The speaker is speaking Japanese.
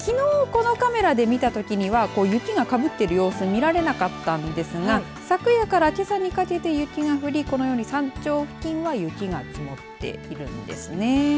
このカメラで見たときには雪がかぶっている様子見られなかったんですが昨夜から、けさにかけて雪が降りこのように山頂付近は雪が積もっているんですね。